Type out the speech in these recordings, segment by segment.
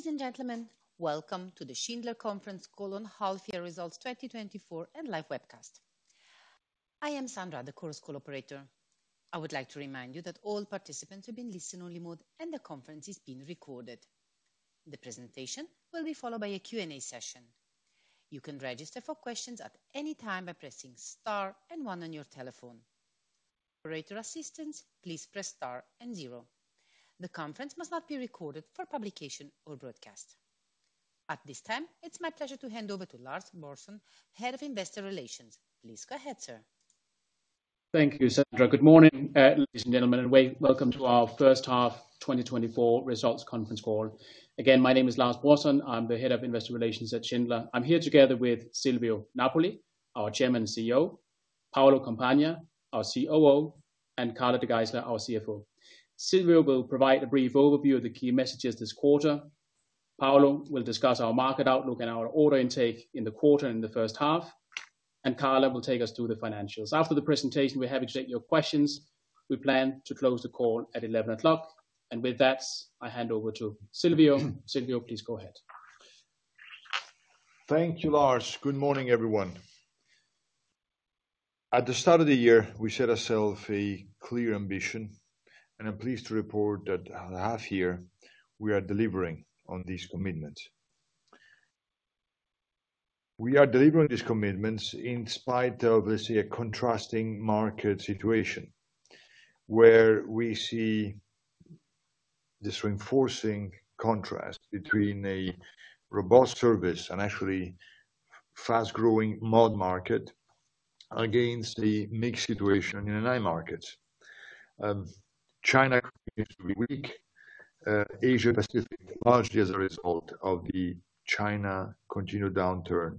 Ladies and gentlemen, welcome to the Schindler Half-Year Results 2024 and Live webcast. I am Sandra, the Chorus Call operator. I would like to remind you that all participants have been placed in listen-only mode, and the conference is being recorded. The presentation will be followed by a Q&A session. You can register for questions at any time by pressing star and one on your telephone. For further assistance, please press star and zero. The conference must not be recorded for publication or broadcast. At this time, it's my pleasure to hand over to Lars Brorson, Head of Investor Relations. Please go ahead, sir. Thank you, Sandra. Good morning, ladies and gentlemen, and welcome to our first half 2024 results conference call. Again, my name is Lars Brorson. I'm the Head of Investor Relations at Schindler. I'm here together with Silvio Napoli, our Chairman and CEO, Paolo Compagna, our COO, and Carla De Geyseleer, our CFO. Silvio will provide a brief overview of the key messages this quarter. Paolo will discuss our market outlook and our order intake in the quarter and in the first half. Carla will take us through the financials. After the presentation, we're happy to take your questions. We plan to close the call at 11 o'clock. With that, I hand over to Silvio. Silvio, please go ahead. Thank you, Lars. Good morning, everyone. At the start of the year, we set ourselves a clear ambition, and I'm pleased to report that half year we are delivering on these commitments. We are delivering these commitments in spite of, let's say, a contrasting market situation where we see this reinforcing contrast between a robust service and actually fast-growing modernization market against the mixed situation in NI markets. China continues to be weak. Asia-Pacific, largely as a result of the China's continued downturn,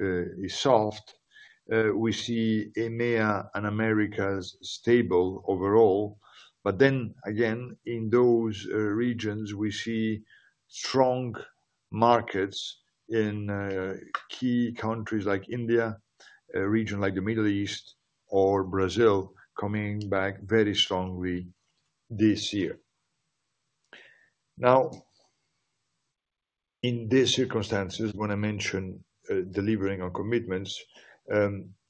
is soft. We see EMEA and Americas stable overall. But then again, in those regions, we see strong markets in key countries like India, a region like the Middle East, or Brazil coming back very strongly this year. Now, in these circumstances, when I mention delivering on commitments,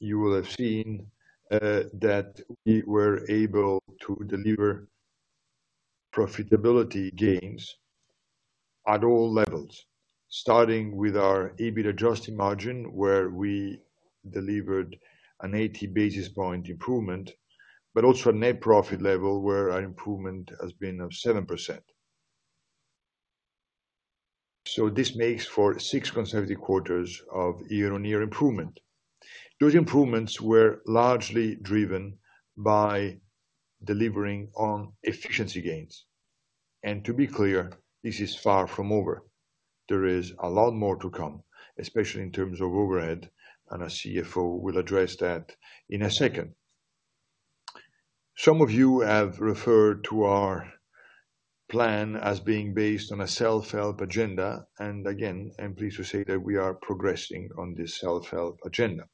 you will have seen that we were able to deliver profitability gains at all levels, starting with our EBIT adjusted margin, where we delivered an 80 basis point improvement, but also a net profit level where our improvement has been of 7%. So this makes for six consecutive quarters of year-on-year improvement. Those improvements were largely driven by delivering on efficiency gains. And to be clear, this is far from over. There is a lot more to come, especially in terms of overhead, and our CFO will address that in a second. Some of you have referred to our plan as being based on a self-help agenda. And again, I'm pleased to say that we are progressing on this self-help agenda.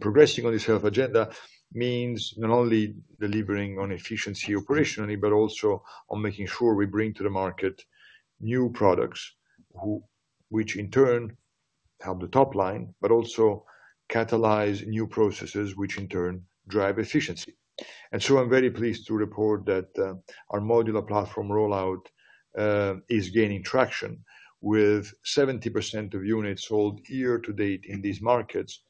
Progressing on this self-help agenda means not only delivering on efficiency operationally, but also on making sure we bring to the market new products, which in turn help the top line, but also catalyze new processes, removed which in turn drive efficiency. So I'm very pleased to report that our modular platform rollout is gaining traction with 70% of units sold year to date in these markets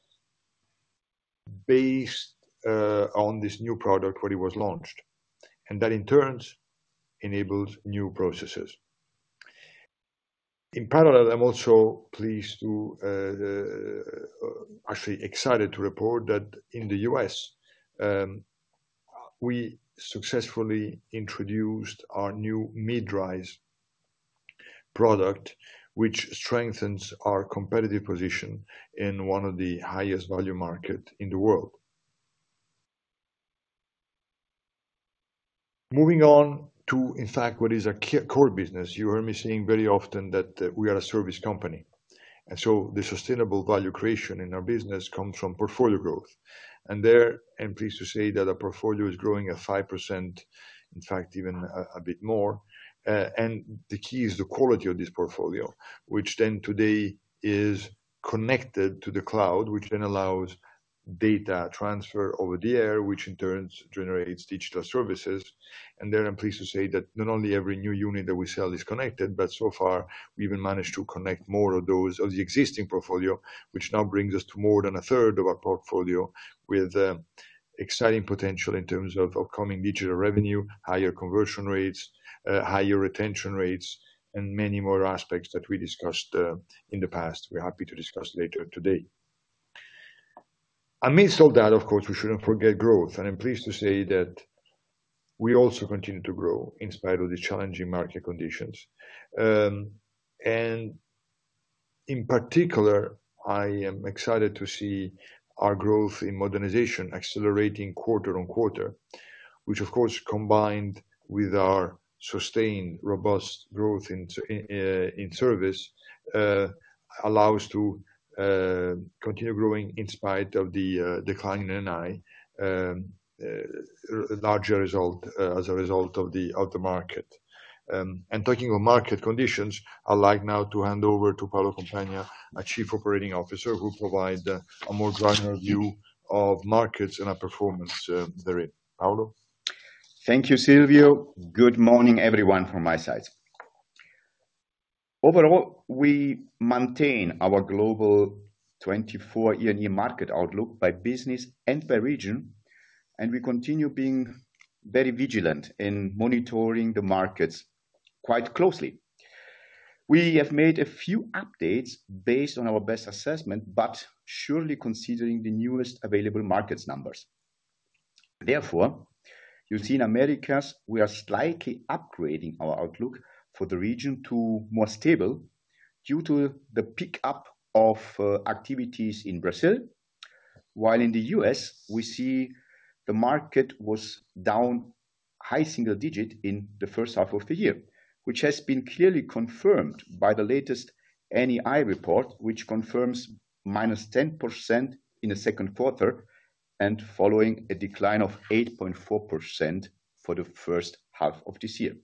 based on this new product when it was launched. And that in turn enables new processes. In parallel, I'm also pleased to, actually excited to report that in the U.S., we successfully introduced our new mid-rise product, which strengthens our competitive position in one of the highest value markets in the world. Moving on to, in fact, what is our core business, you heard me saying very often that we are a service company. And so the sustainable value creation in our business comes from portfolio growth. And there, I'm pleased to say that our portfolio is growing at 5%, in fact, even a bit more. And the key is the quality of this portfolio, which then today is connected to the cloud, which then allows data transfer over the air, which in turn generates digital services. And there, I'm pleased to say that not only every new unit that we sell is connected, but so far, we even managed to connect more of those of the existing portfolio, which now brings us to more than a third of our portfolio with exciting potential in terms of upcoming digital revenue, higher conversion rates, higher retention rates, and many more aspects that we discussed in the past. We're happy to discuss later today. Amidst all that, of course, we shouldn't forget growth. I'm pleased to say that we also continue to grow in spite of the challenging market conditions. In particular, I am excited to see our growth in modernization accelerating quarter on quarter, which, of course, combined with our sustained robust growth in service allows us to continue growing in spite of the decline in NI, larger result as a result of the outer market. Talking of market conditions, I'd like now to hand over to Paolo Compagna, our Chief Operating Officer, who provides a more granular view of markets and our performance therein. Paolo? Thank you, Silvio. Good morning, everyone, from my side. Overall, we maintain our global 2024 market outlook by business and by region, and we continue being very vigilant in monitoring the markets quite closely. We have made a few updates based on our best assessment, but surely considering the newest available market numbers. Therefore, you see in Americas, we are slightly upgrading our outlook for the region to more stable due to the pickup of activities in Brazil, while in the US, we see the market was down high single digit in the first half of the year, which has been clearly confirmed by the latest NEII report, which confirms minus 10% in the Q2 and following a decline of 8.4% for the first half of this year.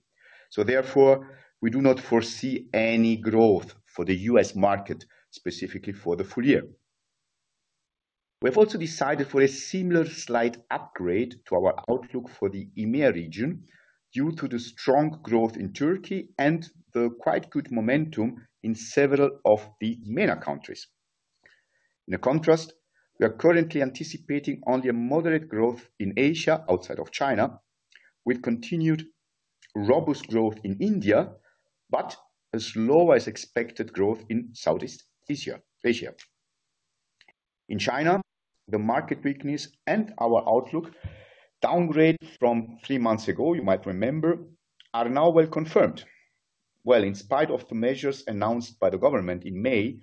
Therefore, we do not foresee any growth for the US market specifically for the full year. We have also decided for a similar slight upgrade to our outlook for the EMEA region due to the strong growth in Turkey and the quite good momentum in several of the EMEA countries. In contrast, we are currently anticipating only a moderate growth in Asia outside of China, with continued robust growth in India, but a slower expected growth in Southeast Asia. In China, the market weakness and our outlook downgrade from three months ago, you might remember, are now well confirmed. Well, in spite of the measures announced by the government in May,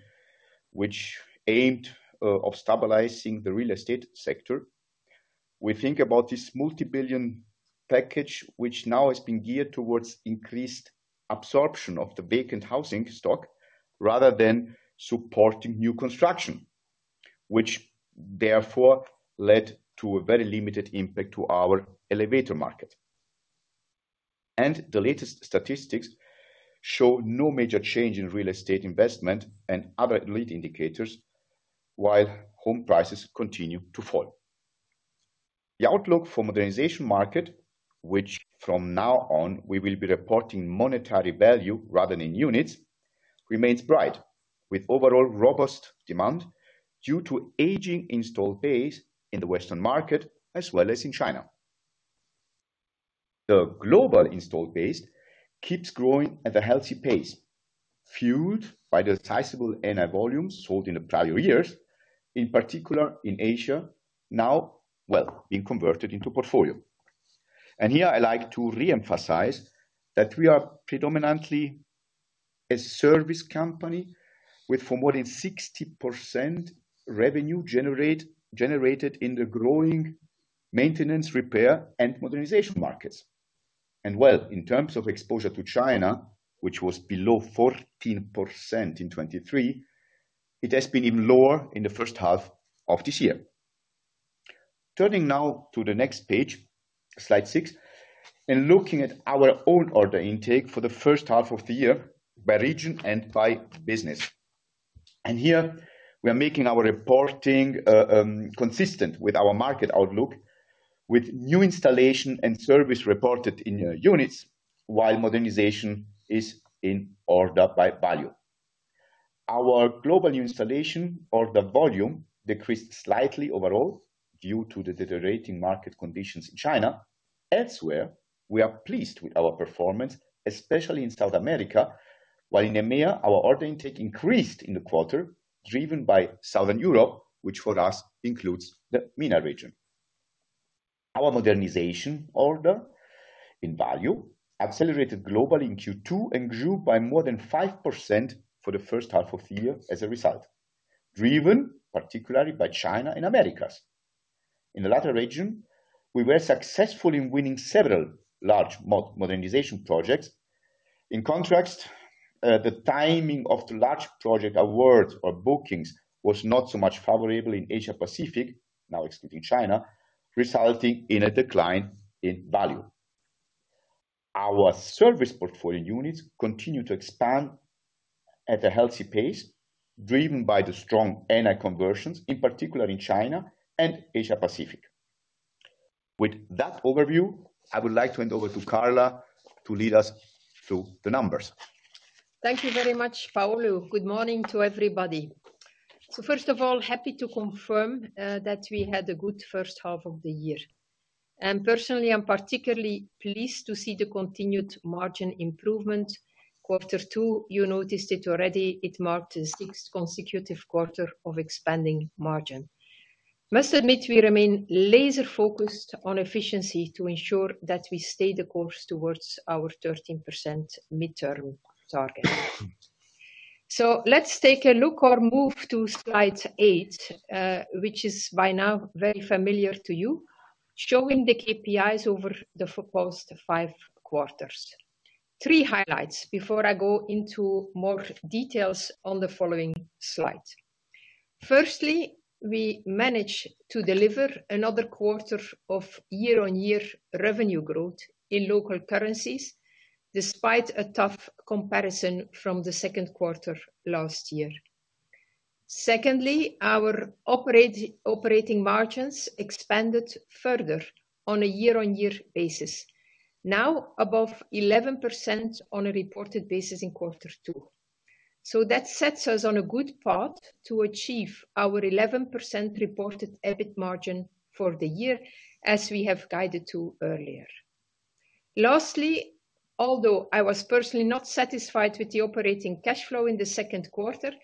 which aimed at stabilizing the real estate sector, we think about this multi-billion package, which now has been geared towards increased absorption of the vacant housing stock rather than supporting new construction, which therefore led to a very limited impact to our elevator market. The latest statistics show no major change in real estate investment and other leading indicators, while home prices continue to fall. The outlook for the modernization market, which from now on we will be reporting monetary value rather than units, remains bright with overall robust demand due to aging installed base in the Western market as well as in China. The global installed base keeps growing at a healthy pace, fueled by the sizable NI volumes sold in the prior years, in particular in Asia, now, well, being converted into portfolio. And here, I like to re-emphasize that we are predominantly a service company with more than 60% revenue generated in the growing maintenance, repair, and modernization markets. Well, in terms of exposure to China, which was below 14% in 2023, it has been even lower in the first half of this year. Turning now to the next page, slide 6, and looking at our own order intake for the first half of the year by region and by business. Here, we are making our reporting consistent with our market outlook, with new installation and service reported in units while modernization is in order by value. Our global new installation order volume decreased slightly overall due to the deteriorating market conditions in China. Elsewhere, we are pleased with our performance, especially in South America, while in EMEA, our order intake increased in the quarter, driven by Southern Europe, which for us includes the MENA region. Our modernization order in value accelerated globally in Q2 and grew by more than 5% for the first half of the year as a result, driven particularly by China and Americas. In the latter region, we were successful in winning several large modernization projects. In contrast, the timing of the large project awards or bookings was not so much favorable in Asia-Pacific, now excluding China, resulting in a decline in value. Our service portfolio units continue to expand at a healthy pace, driven by the strong NI conversions, in particular in China and Asia-Pacific. With that overview, I would like to hand over to Carla to lead us through the numbers. Thank you very much, Paolo. Good morning to everybody. First of all, happy to confirm that we had a good first half of the year. Personally, I'm particularly pleased to see the continued margin improvement. Quarter two, you noticed it already. It marked the sixth consecutive quarter of expanding margin. Must admit we remain laser-focused on efficiency to ensure that we stay the course towards our 13% midterm target. Let's take a look or move to slide eight, which is by now very familiar to you, showing the KPIs over the past five quarters. Three highlights before I go into more details on the following slide. Firstly, we managed to deliver another quarter of year-on-year revenue growth in local currencies despite a tough comparison from the Q2 last year. Secondly, our operating margins expanded further on a year-on-year basis, now above 11% on a reported basis in quarter two. So that sets us on a good path to achieve our 11% reported EBIT margin for the year, as we have guided to earlier. Lastly, although I was personally not satisfied with the operating cash flow in the Q2,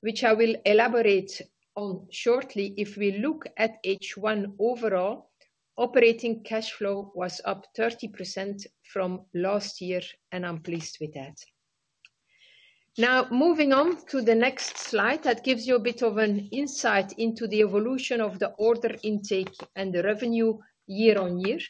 which I will elaborate on shortly, if we look at H1 overall, operating cash flow was up 30% from last year, and I'm pleased with that. Now, moving on to the next slide that gives you a bit of an insight into the evolution of the order intake and the revenue year-on-year.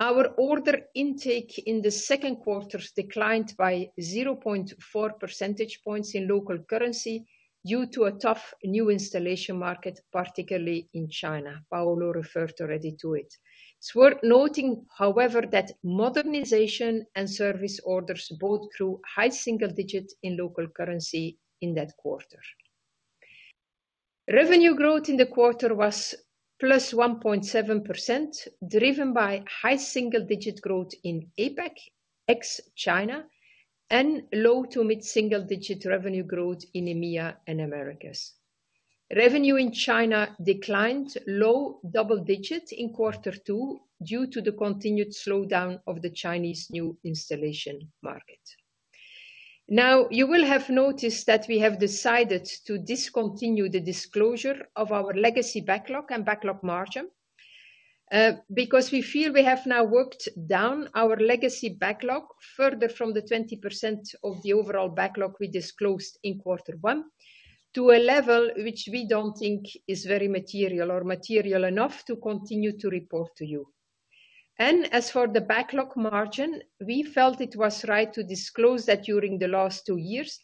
Our order intake in the Q2 declined by 0.4 percentage points in local currency due to a tough new installation market, particularly in China. Paolo referred already to it. It's worth noting, however, that modernization and service orders both grew high single digit in local currency in that quarter. Revenue growth in the quarter was +1.7%, driven by high single digit growth in APAC, ex-China, and low to mid-single digit revenue growth in EMEA and Americas. Revenue in China declined low double digit in quarter two due to the continued slowdown of the Chinese new installation market. Now, you will have noticed that we have decided to discontinue the disclosure of our legacy backlog and backlog margin because we feel we have now worked down our legacy backlog further from the 20% of the overall backlog we disclosed in quarter one to a level which we don't think is very material or material enough to continue to report to you. As for the backlog margin, we felt it was right to disclose that during the last two years,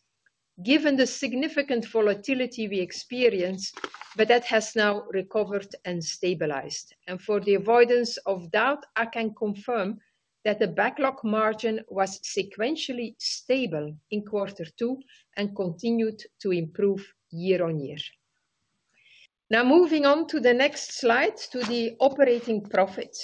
given the significant volatility we experienced, but that has now recovered and stabilized. For the avoidance of doubt, I can confirm that the backlog margin was sequentially stable in quarter two and continued to improve year-on-year. Now, moving on to the next slide, to the operating profit.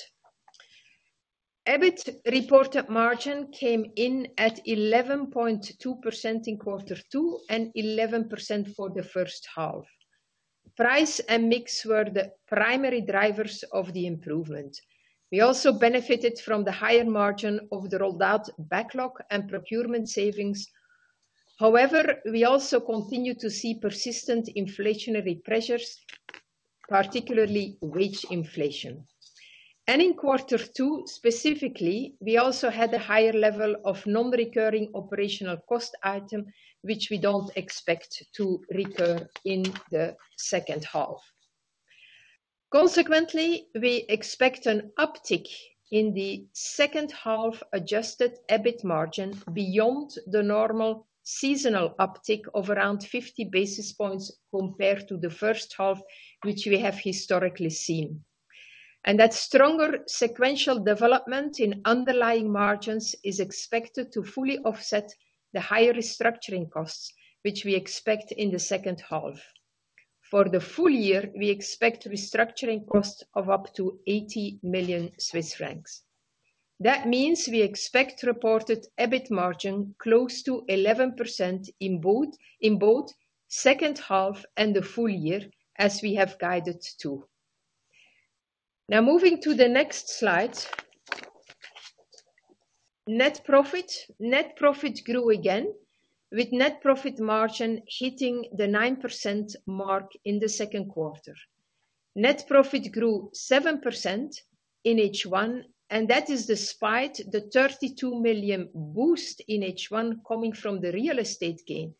EBIT reported margin came in at 11.2% in quarter two and 11% for the first half. Price and mix were the primary drivers of the improvement. We also benefited from the higher margin of the rolled-out backlog and procurement savings. However, we also continue to see persistent inflationary pressures, particularly wage inflation. In quarter two, specifically, we also had a higher level of non-recurring operational cost item, which we don't expect to recur in the second half. Consequently, we expect an uptick in the second half adjusted EBIT margin beyond the normal seasonal uptick of around 50 basis points compared to the first half, which we have historically seen. That stronger sequential development in underlying margins is expected to fully offset the higher restructuring costs, which we expect in the second half. For the full year, we expect restructuring costs of up to 80 million Swiss francs. That means we expect reported EBIT margin close to 11% in both second half and the full year, as we have guided to. Now, moving to the next slide. Net profit. Net profit grew again, with net profit margin hitting the 9% mark in the Q2. Net profit grew 7% in H1, and that is despite the 32 million boost in H1 coming from the real estate gain.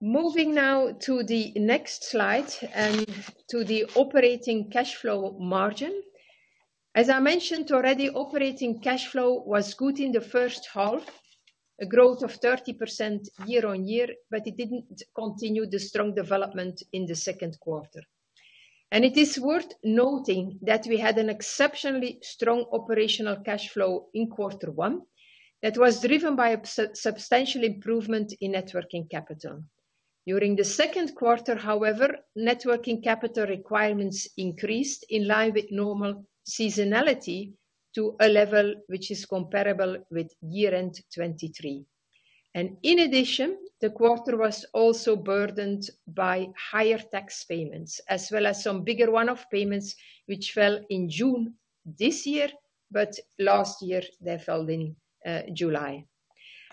Moving now to the next slide and to the operating cash flow margin. As I mentioned already, operating cash flow was good in the first half, a growth of 30% year-on-year, but it didn't continue the strong development in the Q2. It is worth noting that we had an exceptionally strong operating cash flow in quarter one that was driven by a substantial improvement in net working capital. During the Q2, however, net working capital requirements increased in line with normal seasonality to a level which is comparable with year-end 2023. In addition, the quarter was also burdened by higher tax payments, as well as some bigger one-off payments, which fell in June this year, but last year they fell in July.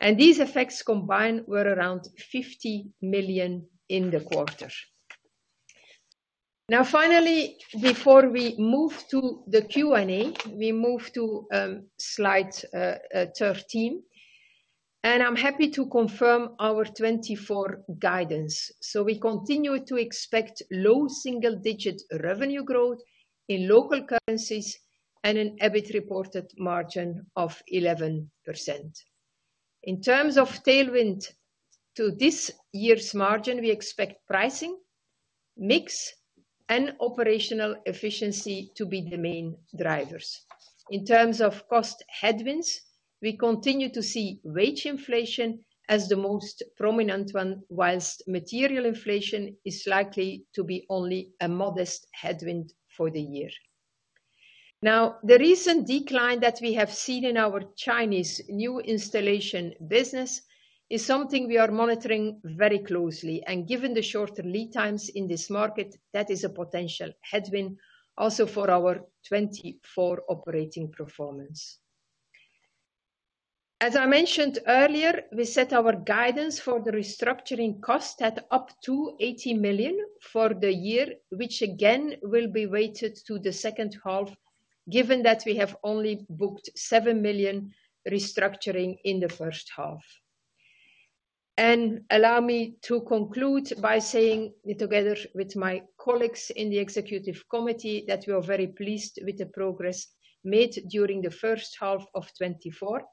These effects combined were around 50 million in the quarter. Now, finally, before we move to the Q&A, we move to slide 13. I'm happy to confirm our 2024 guidance. We continue to expect low single-digit revenue growth in local currencies and an EBIT reported margin of 11%. In terms of tailwind to this year's margin, we expect pricing, mix, and operational efficiency to be the main drivers. In terms of cost headwinds, we continue to see wage inflation as the most prominent one, while material inflation is likely to be only a modest headwind for the year. Now, the recent decline that we have seen in our Chinese new installation business is something we are monitoring very closely. Given the shorter lead times in this market, that is a potential headwind also for our 2024 operating performance. As I mentioned earlier, we set our guidance for the restructuring cost at up to 80 million for the year, which again will be weighted to the second half, given that we have only booked 7 million restructuring in the first half. Allow me to conclude by saying, together with my colleagues in the executive committee, that we are very pleased with the progress made during the first half of 2024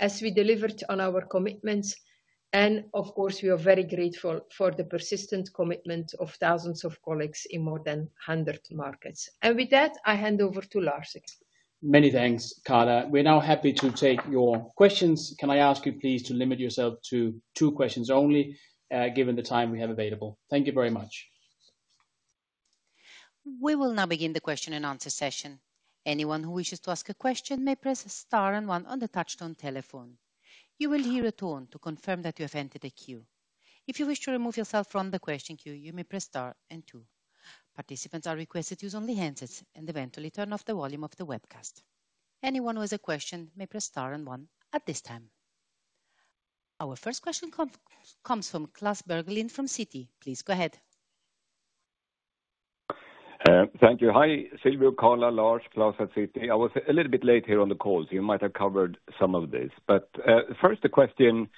as we delivered on our commitments. Of course, we are very grateful for the persistent commitment of thousands of colleagues in more than 100 markets. With that, I hand over to Lars Brorson. Many thanks, Carla. We're now happy to take your questions. Can I ask you, please, to limit yourself to two questions only, given the time we have available? Thank you very much. We will now begin the question and answer session. Anyone who wishes to ask a question may press star and one on the touch-tone telephone. You will hear a tone to confirm that you have entered a queue. If you wish to remove yourself from the question queue, you may press star and two. Participants are requested to use only handsets and eventually turn off the volume of the webcast. Anyone who has a question may press star and one at this time. Our first question comes from Klas Bergelind from Citi. Please go ahead. Thank you. Hi, Silvio, Carla, Lars, Klas at Citi. I was a little bit late here on the call, so you might have covered some of this. But first, the question,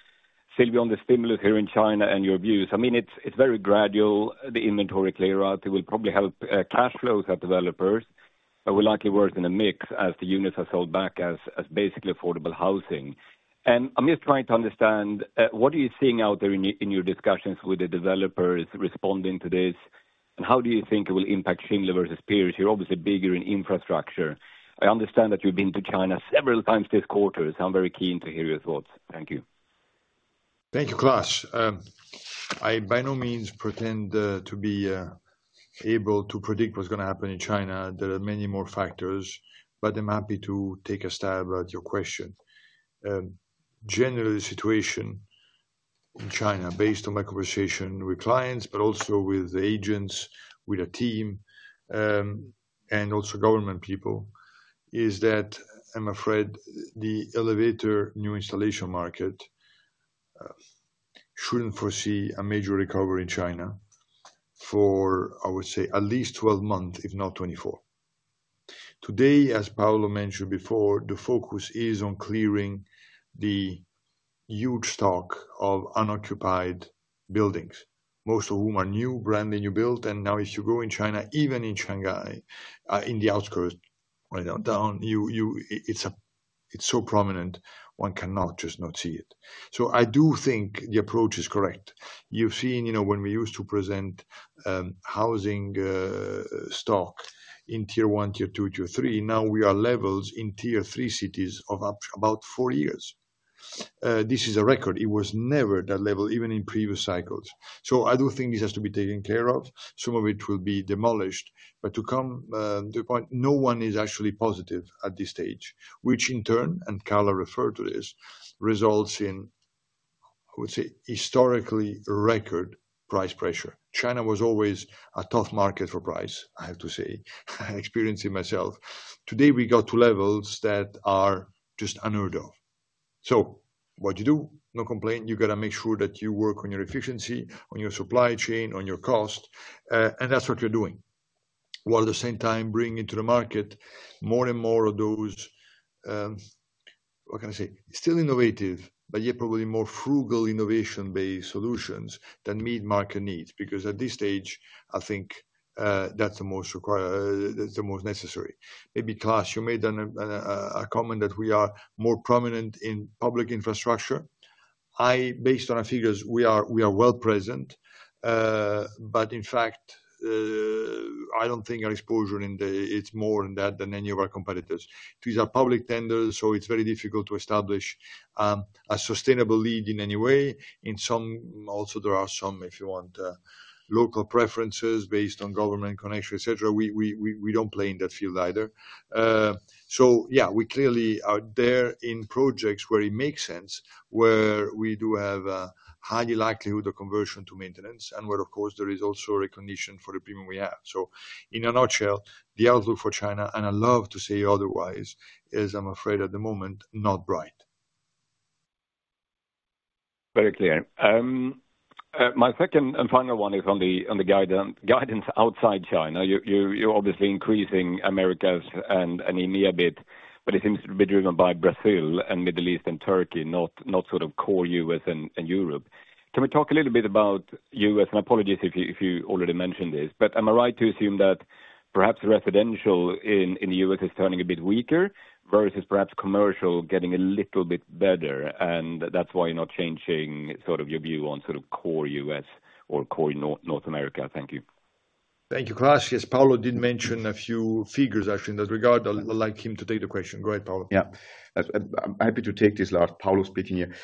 Silvio, on the stimulus here in China and your views. I mean, it's very gradual. The inventory clear out will probably help cash flows at developers, but will likely work in a mix as the units are sold back as basically affordable housing. And I'm just trying to understand, what are you seeing out there in your discussions with the developers responding to this? And how do you think it will impact Schindler versus peers? You're obviously bigger in infrastructure. I understand that you've been to China several times this quarter. So I'm very keen to hear your thoughts. Thank you. Thank you, Klas. I by no means pretend to be able to predict what's going to happen in China. There are many more factors, but I'm happy to take a stab at your question. Generally, the situation in China, based on my conversation with clients, but also with the agents, with a team, and also government people, is that I'm afraid the elevator new installation market shouldn't foresee a major recovery in China for, I would say, at least 12 months, if not 24. Today, as Paolo mentioned before, the focus is on clearing the huge stock of unoccupied buildings, most of whom are new, brand new built. And now, if you go in China, even in Shanghai, in the outskirts, right down, it's so prominent, one cannot just not see it. So I do think the approach is correct. You've seen, you know, when we used to present housing stock in tier one, tier two, tier three. Now we are levels in tier three cities of about four years. This is a record. It was never that level, even in previous cycles. So I do think this has to be taken care of. Some of it will be demolished. But to come to the point, no one is actually positive at this stage, which in turn, and Carla referred to this, results in, I would say, historically record price pressure. China was always a tough market for price, I have to say, experiencing myself. Today, we got to levels that are just unheard of. So what you do, no complaint, you got to make sure that you work on your efficiency, on your supply chain, on your cost, and that's what you're doing. While at the same time, bringing into the market more and more of those, what can I say, still innovative, but yet probably more frugal innovation-based solutions that meet market needs. Because at this stage, I think that's the most required, that's the most necessary. Maybe Klas, you made a comment that we are more prominent in public infrastructure. I, based on our figures, we are well present, but in fact, I don't think our exposure in the, it's more than that than any of our competitors. These are public tenders, so it's very difficult to establish a sustainable lead in any way. In some, also, there are some, if you want, local preferences based on government connection, et cetera. We don't play in that field either. So yeah, we clearly are there in projects where it makes sense, where we do have a high likelihood of conversion to maintenance, and where, of course, there is also recognition for the premium we have. So in a nutshell, the outlook for China, and I love to say otherwise, is, I'm afraid, at the moment, not bright. Very clear. My second and final one is on the guidance outside China. You're obviously increasing Americas and EMEA a bit, but it seems to be driven by Brazil and Middle East and Turkey, not sort of core U.S. and Europe. Can we talk a little bit about U.S.? Apologies if you already mentioned this, but am I right to assume that perhaps residential in the U.S. is turning a bit weaker versus perhaps commercial getting a little bit better? That's why you're not changing sort of your view on sort of core U.S. or core North America? Thank you. Thank you, Klas. Yes, Paolo did mention a few figures, actually, in that regard. I'd like him to take the question. Go ahead, Paolo. Yeah. I'm happy to take this, Lars. Paolo speaking here.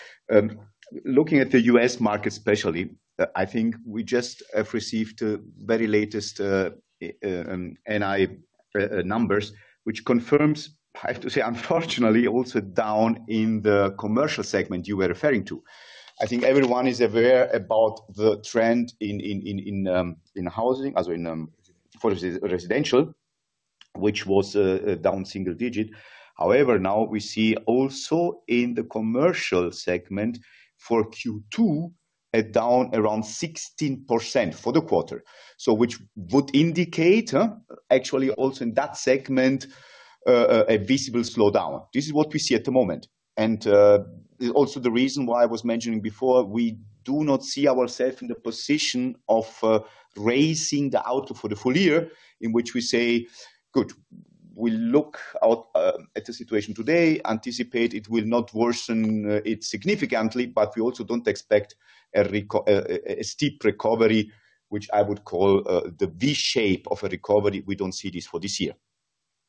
Looking at the U.S. market, especially, I think we just have received the very latest NI numbers, which confirms, I have to say, unfortunately, also down in the commercial segment you were referring to. I think everyone is aware about the trend in housing, as in residential, which was down single digit. However, now we see also in the commercial segment for Q2, a down around 16% for the quarter, which would indicate actually also in that segment a visible slowdown. This is what we see at the moment. And also the reason why I was mentioning before, we do not see ourselves in the position of raising the outlook for the full year, in which we say, good, we look at the situation today, anticipate it will not worsen significantly, but we also don't expect a steep recovery, which I would call the V-shape of a recovery. We don't see this for this year.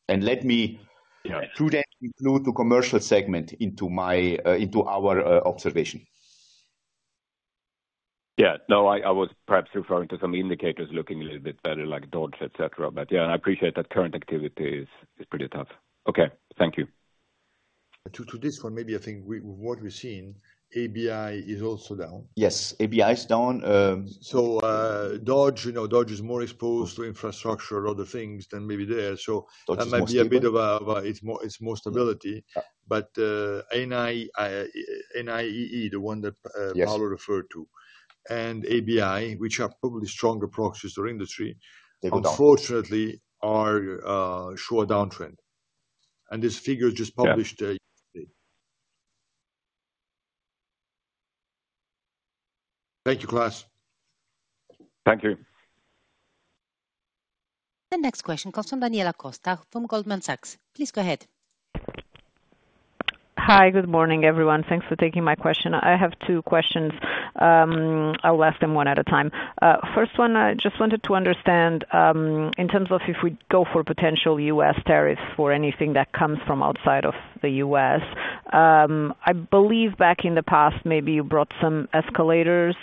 And let me include the commercial segment into our observation. Yeah. No, I was perhaps referring to some indicators looking a little bit better, like Dodge, et cetera. But yeah, I appreciate that current activity is pretty tough. Okay. Thank you. To this one, maybe I think what we've seen, ABI is also down. Yes, ABI is down. So Dodge, you know, Dodge is more exposed to infrastructure, other things than maybe there. So that might be a bit of a, it's more stability. But NEII, the one that Paolo referred to, and ABI, which are probably stronger proxies to our industry, unfortunately, are a shorter downtrend. And this figure is just published. Thank you, Klas. Thank you. The next question comes from Daniela Costa from Goldman Sachs. Please go ahead. Hi, good morning, everyone. Thanks for taking my question. I have two questions. I'll ask them one at a time. First one, I just wanted to understand in terms of if we go for potential U.S. tariffs for anything that comes from outside of the U.S. I believe back in the past, maybe you brought some escalators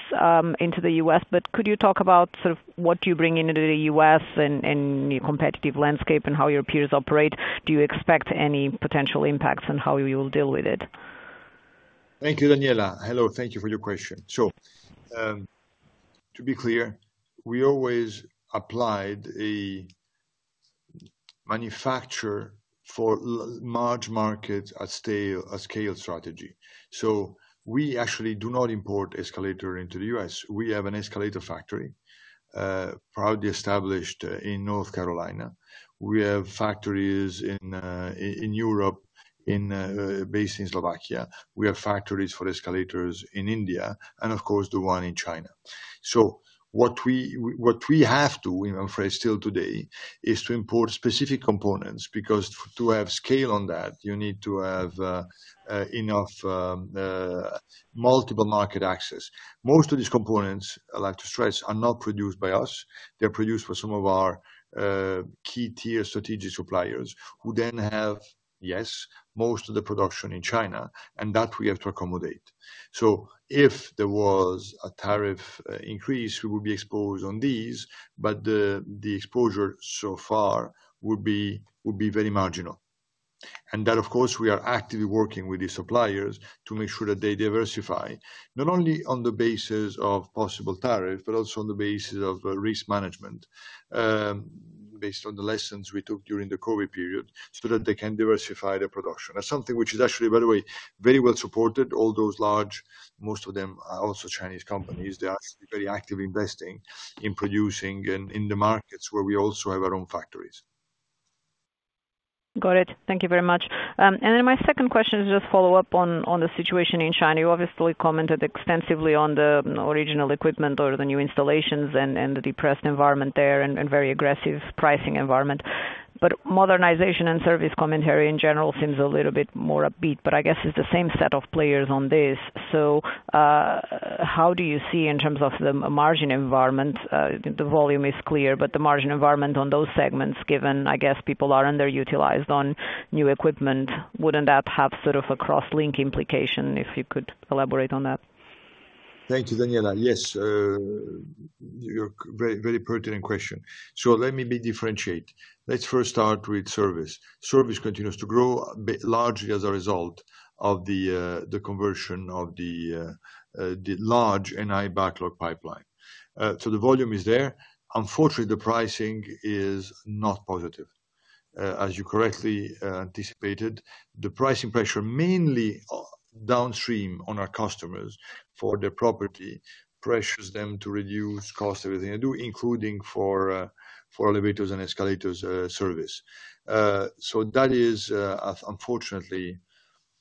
into the U.S. But could you talk about sort of what you bring into the U.S. and your competitive landscape and how your peers operate? Do you expect any potential impacts on how you will deal with it? Thank you, Daniela. Hello, thank you for your question. So to be clear, we always applied a manufacturer for large markets at scale strategy. So we actually do not import escalators into the US. We have an escalator factory proudly established in North Carolina. We have factories in Europe based in Slovakia. We have factories for escalators in India, and of course, the one in China. So what we have to, I'm afraid, still today is to import specific components because to have scale on that, you need to have enough multiple market access. Most of these components, I like to stress, are not produced by us. They're produced by some of our key tier strategic suppliers, who then have, yes, most of the production in China, and that we have to accommodate. So if there was a tariff increase, we would be exposed on these, but the exposure so far would be very marginal. That, of course, we are actively working with these suppliers to make sure that they diversify, not only on the basis of possible tariffs, but also on the basis of risk management, based on the lessons we took during the COVID period, so that they can diversify their production. That's something which is actually, by the way, very well supported. All those large, most of them are also Chinese companies. They are actually very actively investing in producing in the markets where we also have our own factories. Got it. Thank you very much. Then my second question is just to follow up on the situation in China. You obviously commented extensively on the original equipment or the new installations and the depressed environment there and very aggressive pricing environment. But modernization and service commentary in general seems a little bit more upbeat. But I guess it's the same set of players on this. So how do you see in terms of the margin environment? The volume is clear, but the margin environment on those segments, given, I guess, people are underutilized on new equipment, wouldn't that have sort of a cross-link implication if you could elaborate on that? Thank you, Daniela. Yes, your very pertinent question. So let me differentiate. Let's first start with service. Service continues to grow largely as a result of the conversion of the large NI backlog pipeline. So the volume is there. Unfortunately, the pricing is not positive. As you correctly anticipated, the pricing pressure mainly downstream on our customers for their property pressures them to reduce costs everything they do, including for elevators and escalators service. So that is, unfortunately,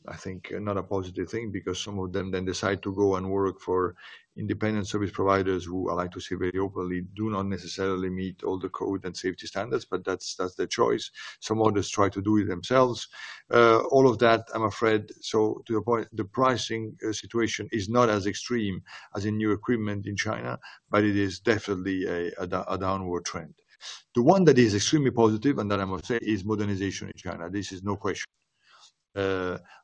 I think, not a positive thing because some of them then decide to go and work for independent service providers who I like to say very openly do not necessarily meet all the code and safety standards, but that's their choice. Some others try to do it themselves. All of that, I'm afraid, so to your point, the pricing situation is not as extreme as in new equipment in China, but it is definitely a downward trend. The one that is extremely positive and that I must say is modernization in China. This is no question.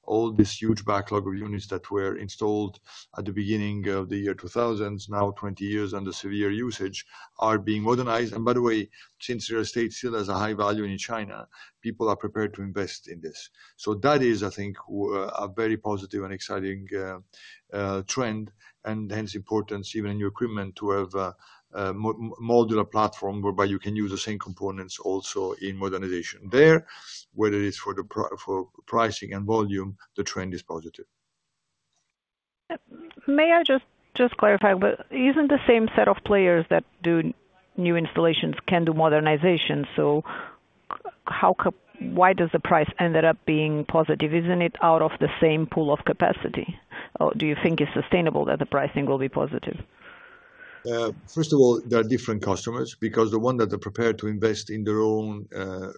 All this huge backlog of units that were installed at the beginning of the year 2000, now 20 years under severe usage, are being modernized. And by the way, since real estate still has a high value in China, people are prepared to invest in this. So that is, I think, a very positive and exciting trend and hence importance even in your equipment to have a modular platform whereby you can use the same components also in modernization there, whether it's for pricing and volume, the trend is positive. May I just clarify, but isn't the same set of players that do new installations can do modernization? So why does the price end up being positive? Isn't it out of the same pool of capacity? Or do you think it's sustainable that the pricing will be positive? First of all, there are different customers because the one that are prepared to invest in their own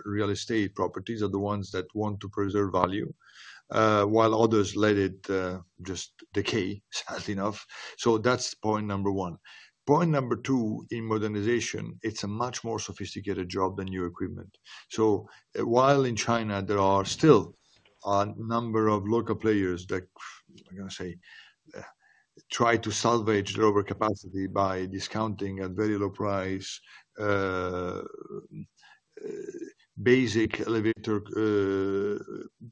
real estate properties are the ones that want to preserve value, while others let it just decay, sadly enough. So that's point number one. Point number two in modernization, it's a much more sophisticated job than new equipment. So while in China, there are still a number of local players that, I'm going to say, try to salvage their overcapacity by discounting at very low price basic elevator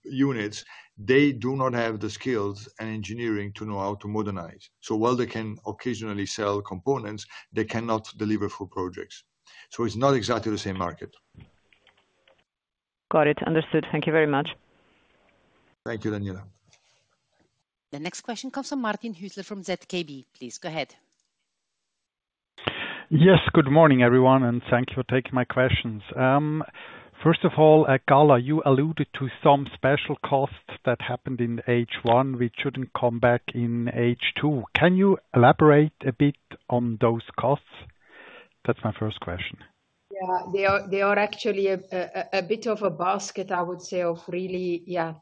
units, they do not have the skills and engineering to know how to modernize. So while they can occasionally sell components, they cannot deliver for projects. So it's not exactly the same market. Got it. Understood. Thank you very much. Thank you, Daniela. The next question comes from Martin Hüsler from ZKB. Please go ahead. Yes, good morning, everyone, and thank you for taking my questions. First of all, Carla, you alluded to some special costs that happened in H1, which shouldn't come back in H2. Can you elaborate a bit on those costs? That's my first question. Yeah, they are actually a bit of a basket, I would say, of really, yeah,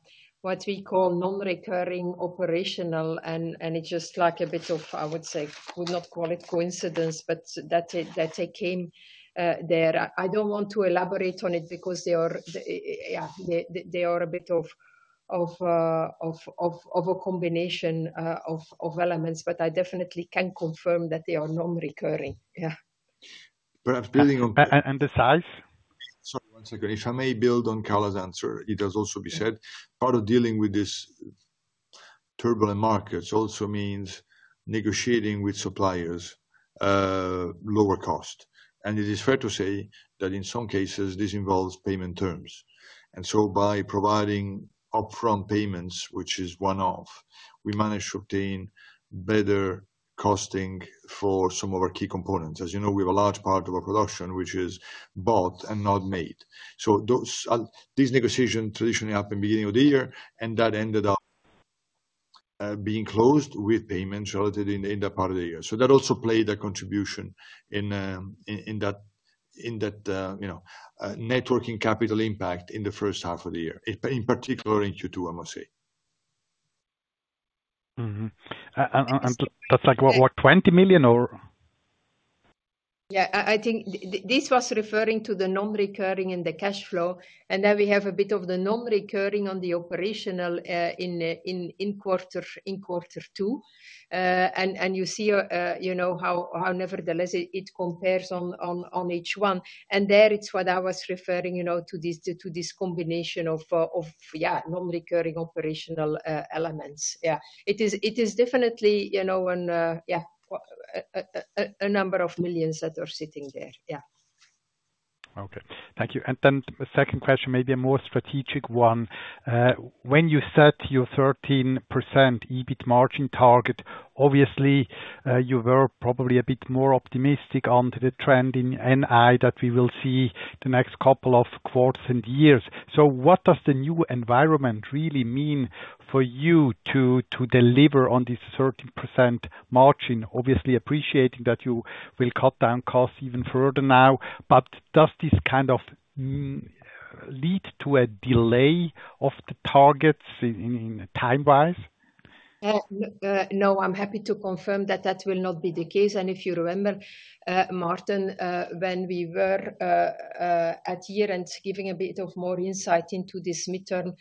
what we call non-recurring operational, and it's just like a bit of, I would say, would not call it coincidence, but that they came there. I don't want to elaborate on it because they are a bit of a combination of elements, but I definitely can confirm that they are non-recurring. Yeah. Perhaps building on. The size? Sorry, one second. If I may build on Carla's answer, it has also been said, part of dealing with this turbulent market also means negotiating with suppliers lower cost. And it is fair to say that in some cases, this involves payment terms. And so by providing upfront payments, which is one-off, we manage to obtain better costing for some of our key components. As you know, we have a large part of our production, which is bought and not made. So these negotiations traditionally happened at the beginning of the year, and that ended up being closed with payments relative in that part of the year. So that also played a contribution in that net working capital impact in the first half of the year, in particular in Q2, I must say. That's like what, 20 million or? Yeah, I think this was referring to the non-recurring and the cash flow, and then we have a bit of the non-recurring on the operational in quarter two. And you see how nevertheless it compares on H1. And there it's what I was referring to, this combination of, yeah, non-recurring operational elements. Yeah. It is definitely a number of millions CHF that are sitting there. Yeah. Okay. Thank you. And then the second question, maybe a more strategic one. When you set your 13% EBIT margin target, obviously, you were probably a bit more optimistic on the trend in NI that we will see the next couple of quarters and years. So what does the new environment really mean for you to deliver on this 13% margin? Obviously, appreciating that you will cut down costs even further now, but does this kind of lead to a delay of the targets in time-wise? No, I'm happy to confirm that that will not be the case. If you remember, Martin, when we were there and giving a bit more insight into these mid-term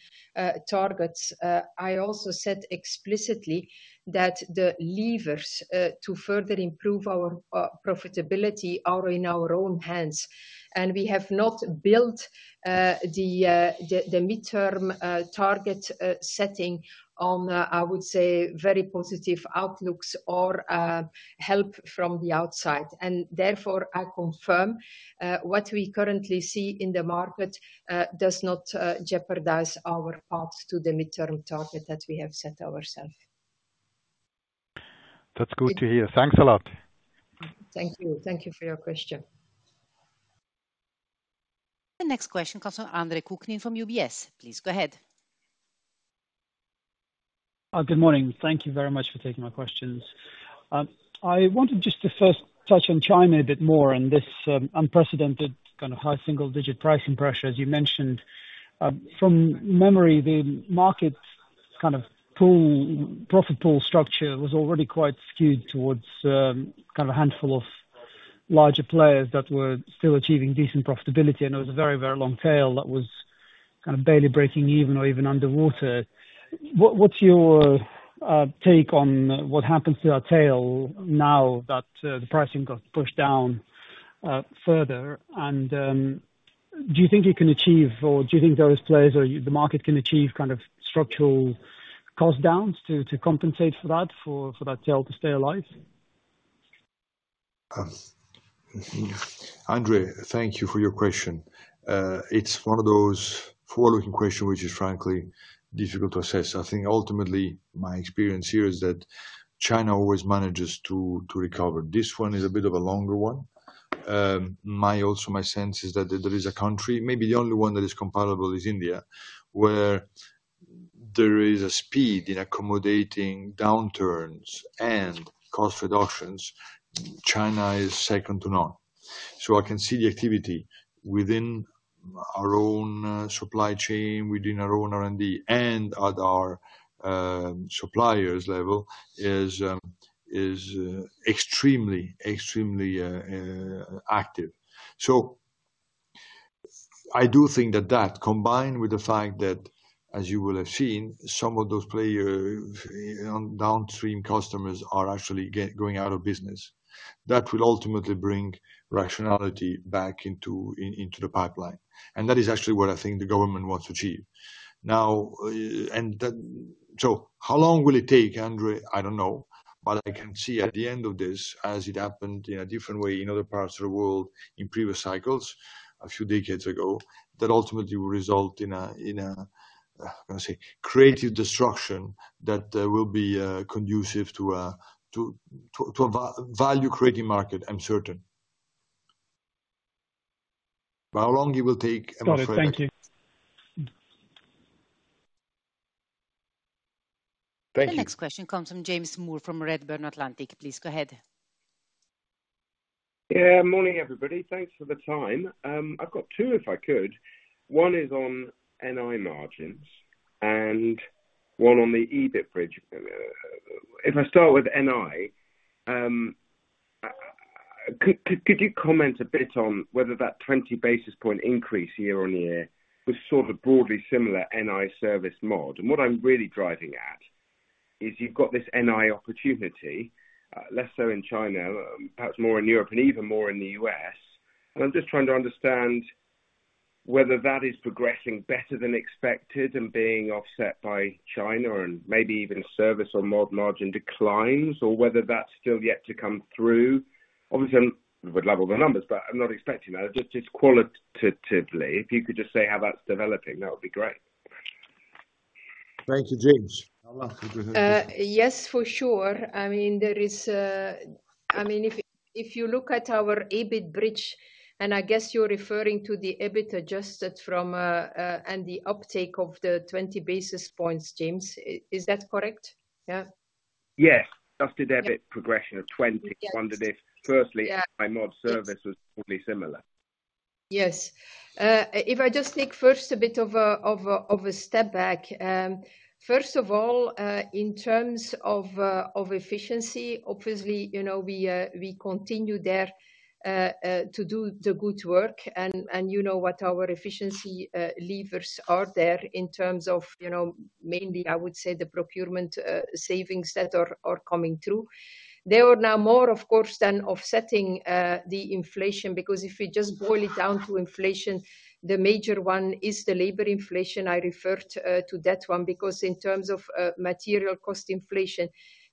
targets, I also said explicitly that the levers to further improve our profitability are in our own hands. We have not built the mid-term target setting on, I would say, very positive outlooks or help from the outside. Therefore, I confirm what we currently see in the market does not jeopardize our path to the mid-term target that we have set ourselves. That's good to hear. Thanks a lot. Thank you. Thank you for your question. The next question comes from Andre Kukhnin from UBS. Please go ahead. Good morning. Thank you very much for taking my questions. I wanted just to first touch on China a bit more and this unprecedented kind of high single-digit pricing pressure, as you mentioned. From memory, the market kind of profit pool structure was already quite skewed towards kind of a handful of larger players that were still achieving decent profitability. And it was a very, very long tail that was kind of barely breaking even or even underwater. What's your take on what happens to that tail now that the pricing got pushed down further? And do you think you can achieve, or do you think those players or the market can achieve kind of structural cost downs to compensate for that, for that tail to stay alive? Andre, thank you for your question. It's one of those following questions, which is frankly difficult to assess. I think ultimately, my experience here is that China always manages to recover. This one is a bit of a longer one. Also, my sense is that there is a country, maybe the only one that is comparable, is India, where there is a speed in accommodating downturns and cost reductions. China is second to none. So I can see the activity within our own supply chain, within our own R&D, and at our suppliers level is extremely, extremely active. So I do think that that, combined with the fact that, as you will have seen, some of those downstream customers are actually going out of business, that will ultimately bring rationality back into the pipeline. And that is actually what I think the government wants to achieve. So how long will it take, Andre? I don't know. But I can see at the end of this, as it happened in a different way in other parts of the world in previous cycles a few decades ago, that ultimately will result in a, I'm going to say, creative destruction that will be conducive to a value-creating market, I'm certain. But how long it will take and what for. Got it. Thank you. Thank you. The next question comes from James Moore from Redburn Atlantic. Please go ahead. Yeah, morning, everybody. Thanks for the time. I've got two, if I could. One is on NI margins and one on the EBIT bridge. If I start with NI, could you comment a bit on whether that 20 basis points increase year-on-year was sort of broadly similar NI service mod? And what I'm really driving at is you've got this NI opportunity, less so in China, perhaps more in Europe and even more in the US. And I'm just trying to understand whether that is progressing better than expected and being offset by China and maybe even service or mod margin declines, or whether that's still yet to come through. Obviously, I would love all the numbers, but I'm not expecting that. Just qualitatively, if you could just say how that's developing, that would be great. Thank you, James. Yes, for sure. I mean, if you look at our EBIT bridge, and I guess you're referring to the EBIT adjusted from and the uptake of the 20 basis points, James, is that correct? Yeah? Yes. Just did the EBIT progression of 20. I wondered if, firstly, NI mod service was probably similar? Yes. If I just take first a bit of a step back, first of all, in terms of efficiency, obviously, we continue there to do the good work. You know what our efficiency levers are there in terms of mainly, I would say, the procurement savings that are coming through. They are now more, of course, than offsetting the inflation because if we just boil it down to inflation, the major one is the labor inflation. I referred to that one because in terms of material cost inflation,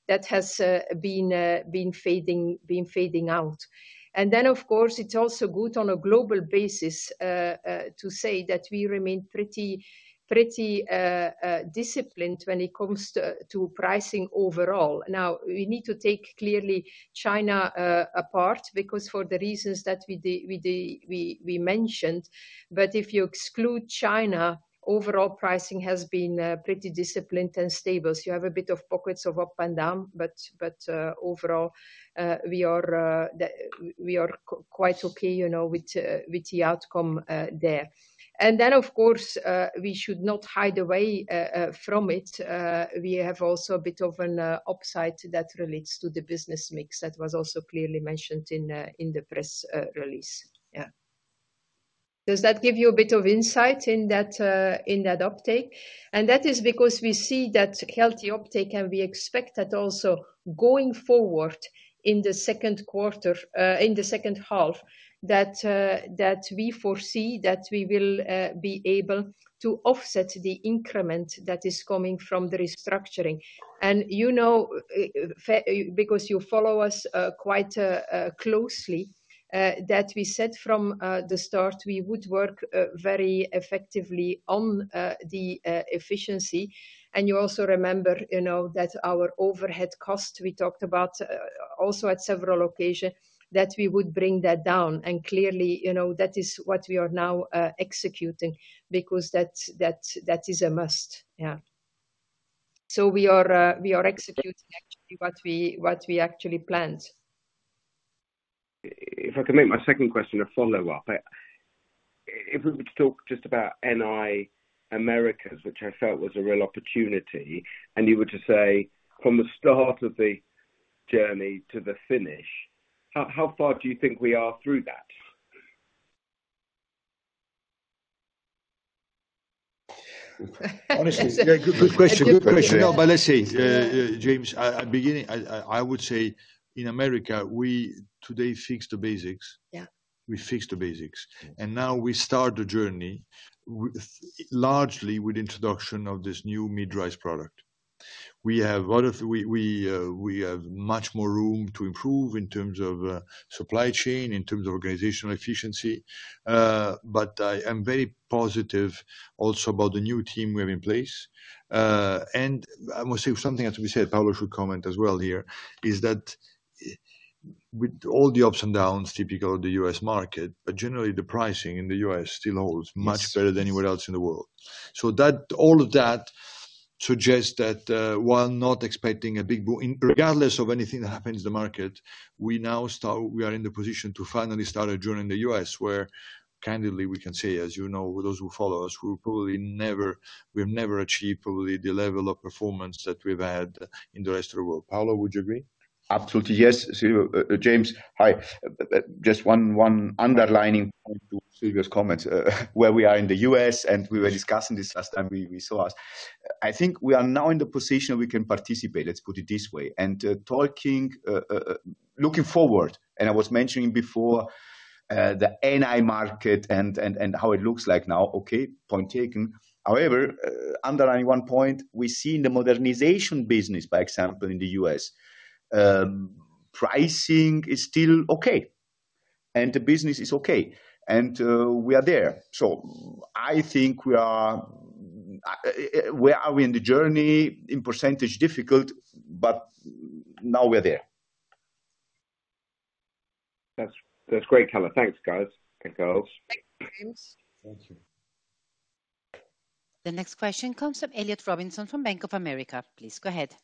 that has been fading out. Then, of course, it's also good on a global basis to say that we remain pretty disciplined when it comes to pricing overall. Now, we need to take clearly China apart because for the reasons that we mentioned, but if you exclude China, overall pricing has been pretty disciplined and stable. So you have a bit of pockets of up and down, but overall, we are quite okay with the outcome there. And then, of course, we should not hide away from it. We have also a bit of an upside that relates to the business mix that was also clearly mentioned in the press release. Yeah. Does that give you a bit of insight in that uptake? And that is because we see that healthy uptake, and we expect that also going forward in the Q2, in the second half, that we foresee that we will be able to offset the increment that is coming from the restructuring. And you know, because you follow us quite closely, that we said from the start, we would work very effectively on the efficiency. You also remember that our overhead cost, we talked about also at several occasions, that we would bring that down. Clearly, that is what we are now executing because that is a must. Yeah. We are executing actually what we actually planned. If I can make my second question a follow-up, if we were to talk just about NI Americas, which I felt was a real opportunity, and you were to say from the start of the journey to the finish, how far do you think we are through that? Honestly, good question. Good question. No, but let's see. James, at the beginning, I would say in America, we today fixed the basics. We fixed the basics. And now we start the journey largely with the introduction of this new mid-rise product. We have much more room to improve in terms of supply chain, in terms of organizational efficiency. But I am very positive also about the new team we have in place. And I must say something that we said, Paolo should comment as well here, is that with all the ups and downs typical of the US market, but generally, the pricing in the US still holds much better than anywhere else in the world. So all of that suggests that while not expecting a big boom, regardless of anything that happens in the market, we now are in the position to finally start a journey in the U.S. where, candidly, we can say, as you know, those who follow us, we have never achieved probably the level of performance that we've had in the rest of the world. Paolo, would you agree? Absolutely. Yes. James, hi. Just one underlying point to Silvio's comments, where we are in the U.S., and we were discussing this last time we saw us. I think we are now in the position we can participate, let's put it this way, and talking, looking forward. And I was mentioning before the NI market and how it looks like now, okay, point taken. However, underlining one point, we see in the modernization business, by example, in the U.S., pricing is still okay. The business is okay. We are there. So I think we are where we are in the journey in percentage difficult, but now we're there. That's great, Carla. Thanks, guys and girls. Thank you, James. Thank you. The next question comes from Elliot Robinson from Bank of America. Please go ahead.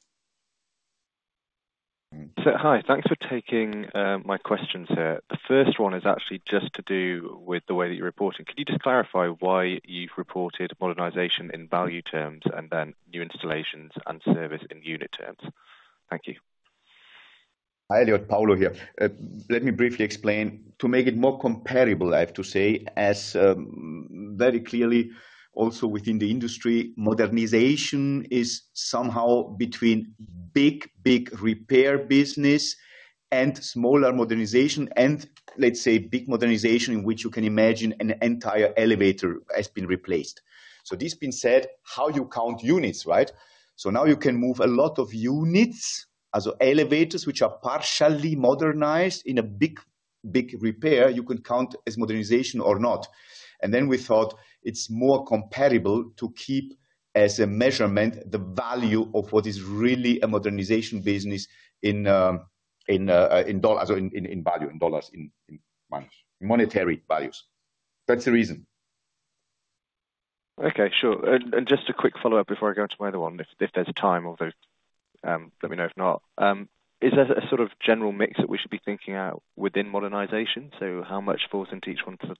Hi. Thanks for taking my questions here. The first one is actually just to do with the way that you're reporting. Can you just clarify why you've reported modernization in value terms and then new installations and service in unit terms? Thank you. Hi, Elliot, Paolo here. Let me briefly explain. To make it more comparable, I have to say, as very clearly also within the industry, modernization is somehow between big, big repair business and smaller modernization and, let's say, big modernization in which you can imagine an entire elevator has been replaced. So this being said, how you count units, right? So now you can move a lot of units, as well as elevators which are partially modernized in a big, big repair, you could count as modernization or not. And then we thought it's more comparable to keep as a measurement the value of what is really a modernization business in dollars or in value, in dollars, in monetary values. That's the reason. Okay, sure. Just a quick follow-up before I go to my other one, if there's time, although let me know if not. Is there a sort of general mix that we should be thinking out within modernization? So how much falls into each one for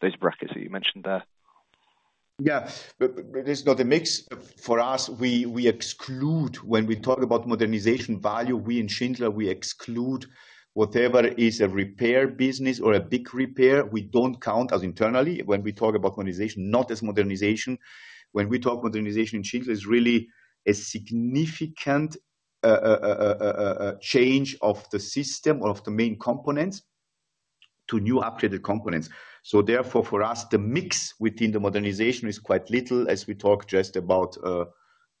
those brackets that you mentioned there? Yeah. But it's not a mix. For us, we exclude when we talk about modernization value, we in Schindler, we exclude whatever is a repair business or a big repair. We don't count as internally when we talk about modernization, not as modernization. When we talk modernization in Schindler, it's really a significant change of the system or of the main components to new upgraded components. So therefore, for us, the mix within the modernization is quite little as we talk just about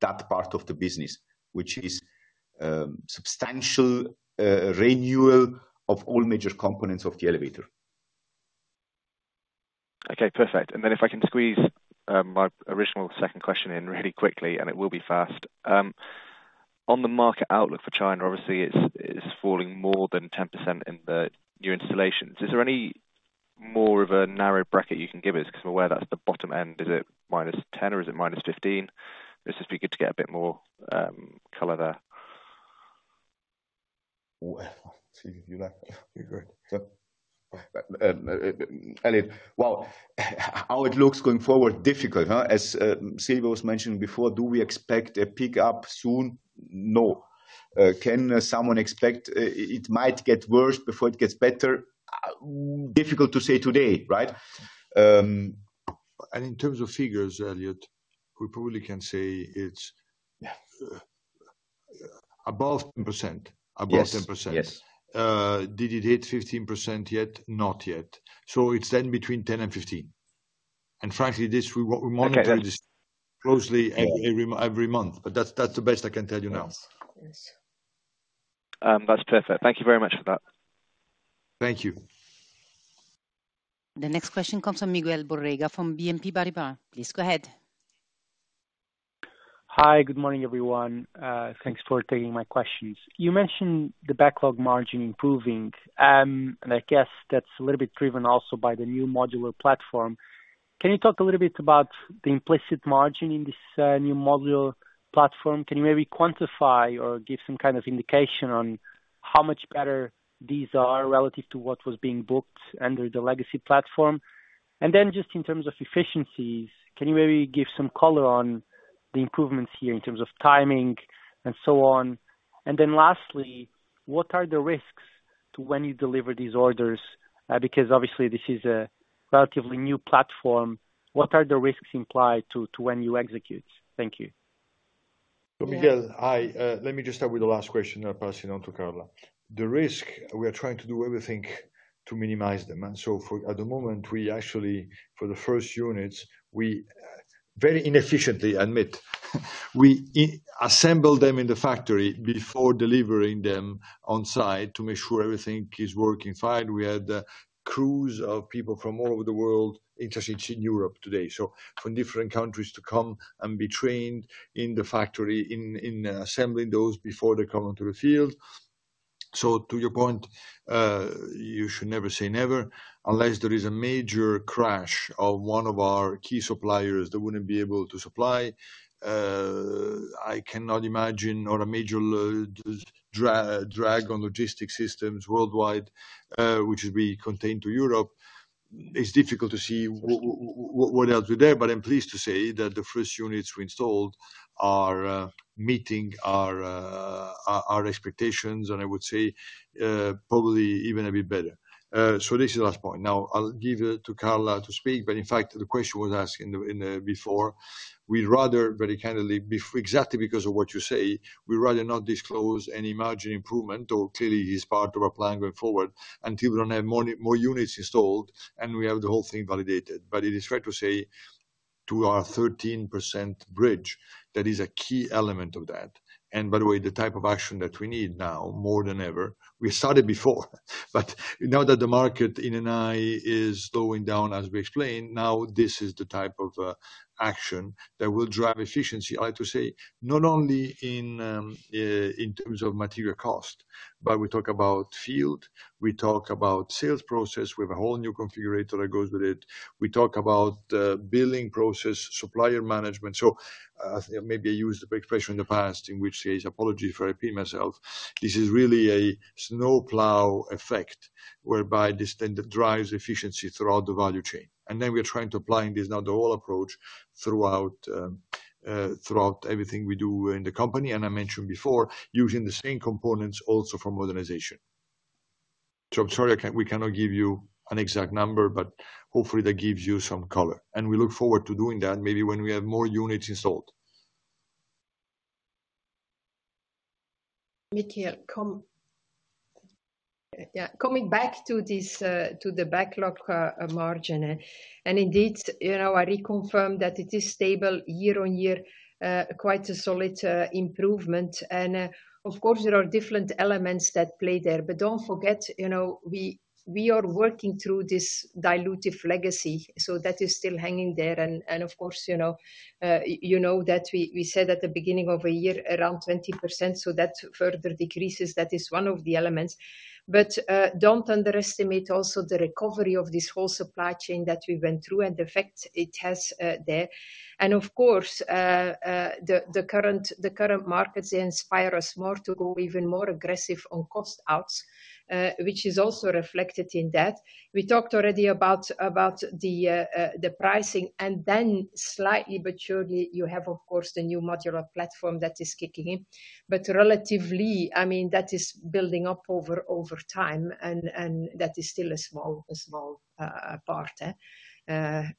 that part of the business, which is substantial renewal of all major components of the elevator. Okay, perfect. And then if I can squeeze my original second question in really quickly, and it will be fast. On the market outlook for China, obviously, it's falling more than 10% in the new installations. Is there any more of a narrow bracket you can give us? Because I'm aware that's the bottom end. Is it -10% or is it -15%? This would be good to get a bit more color there. Well, how it looks going forward, difficult. As Silvio was mentioning before, do we expect a pickup soon? No. Can someone expect it might get worse before it gets better? Difficult to say today, right? In terms of figures, Elliot, we probably can say it's above 10%. Above 10%. Did it hit 15% yet? Not yet. So it's then between 10% and 15%. And frankly, we monitor this closely every month. But that's the best I can tell you now. That's perfect. Thank you very much for that. Thank you. The next question comes from Miguel Borrega from BNP Paribas. Please go ahead. Hi, good morning, everyone. Thanks for taking my questions. You mentioned the backlog margin improving, and I guess that's a little bit driven also by the new modular platform. Can you talk a little bit about the implicit margin in this new modular platform? Can you maybe quantify or give some kind of indication on how much better these are relative to what was being booked under the legacy platform? And then just in terms of efficiencies, can you maybe give some color on the improvements here in terms of timing and so on? And then lastly, what are the risks to when you deliver these orders? Because obviously, this is a relatively new platform. What are the risks implied to when you execute? Thank you. Miguel. Hi. Let me just start with the last question that I'm passing on to Carla. The risk, we are trying to do everything to minimize them. So at the moment, we actually, for the first units, we very inefficiently, admit, we assemble them in the factory before delivering them on site to make sure everything is working fine. We had crews of people from all over the world interested in Europe today. So from different countries to come and be trained in the factory in assembling those before they come onto the field. So to your point, you should never say never unless there is a major crash of one of our key suppliers that wouldn't be able to supply. I cannot imagine a major drag on logistics systems worldwide, which would be contained to Europe. It's difficult to see what else we there, but I'm pleased to say that the first units we installed are meeting our expectations, and I would say probably even a bit better. So this is the last point. Now, I'll give it to Carla to speak, but in fact, the question was asked before. We'd rather, very candidly, exactly because of what you say, we'd rather not disclose any margin improvement or clearly is part of our plan going forward until we don't have more units installed and we have the whole thing validated. But it is fair to say to our 13% bridge that is a key element of that. And by the way, the type of action that we need now, more than ever, we started before. But now that the market in NI is slowing down, as we explained, now this is the type of action that will drive efficiency. I like to say not only in terms of material cost, but we talk about field, we talk about sales process with a whole new configurator that goes with it. We talk about billing process, supplier management. So maybe I used the expression in the past in which case, apologies for repeating myself. This is really a snowplow effect whereby this then drives efficiency throughout the value chain. And then we're trying to apply this now the whole approach throughout everything we do in the company. And I mentioned before using the same components also for modernization. So I'm sorry, we cannot give you an exact number, but hopefully that gives you some color. We look forward to doing that maybe when we have more units installed. Coming back to the backlog margin. Indeed, I reconfirm that it is stable year-on-year, quite a solid improvement. Of course, there are different elements that play there. But don't forget, we are working through this dilutive legacy. That is still hanging there. Of course, you know that we said at the beginning of the year, around 20%, so that further decreases. That is one of the elements. But don't underestimate also the recovery of this whole supply chain that we went through and the fact it has there. Of course, the current markets inspire us more to go even more aggressive on cost outs, which is also reflected in that. We talked already about the pricing. Then slightly, but surely, you have, of course, the new modular platform that is kicking in. But relatively, I mean, that is building up over time. That is still a small part.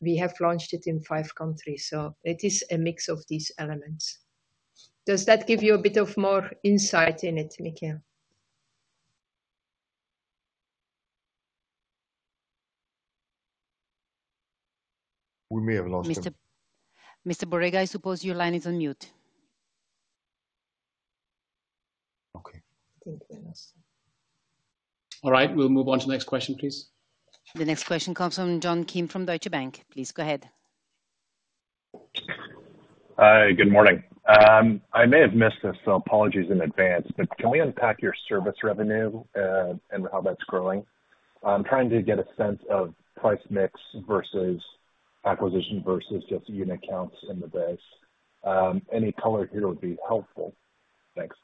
We have launched it in five countries. It is a mix of these elements. Does that give you a bit of more insight in it, Miguel? We may have lost you. Mr. Borrega, I suppose your line is on mute. Okay. Thank you. All right. We'll move on to the next question, please. The next question comes from John Kim from Deutsche Bank. Please go ahead. Hi, good morning. I may have missed this, so apologies in advance. But can we unpack your service revenue and how that's growing? I'm trying to get a sense of price mix versus acquisition versus just unit counts in the base. Any color here would be helpful. Thanks.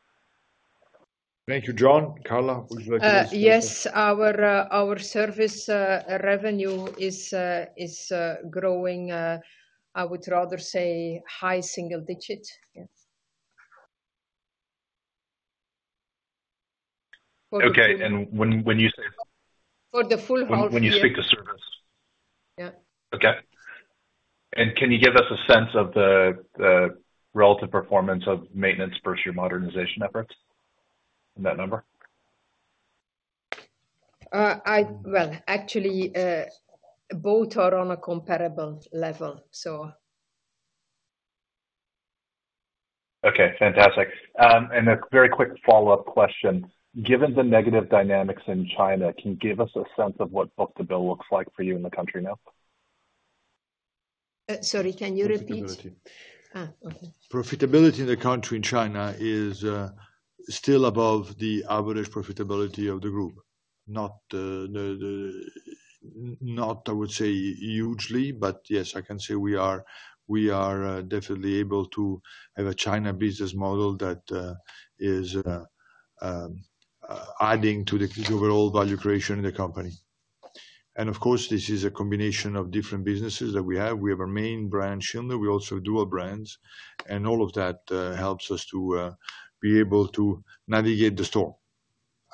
Thank you, John. Carla, would you like to add something? Yes. Our service revenue is growing, I would rather say high single-digit. Okay. And when you say. For the full house. When you speak to service. Yeah. Okay. And can you give us a sense of the relative performance of maintenance versus your modernization efforts in that number? Well, actually, both are on a comparable level, so. Okay. Fantastic. And a very quick follow-up question. Given the negative dynamics in China, can you give us a sense of what book-to-bill looks like for you in the country now? Sorry, can you repeat? Profitability in the country in China is still above the average profitability of the group. Not, I would say, hugely, but yes, I can say we are definitely able to have a China business model that is adding to the overall value creation in the company. Of course, this is a combination of different businesses that we have. We have our main brand, Schindler. We also have dual brands. All of that helps us to be able to navigate the storm.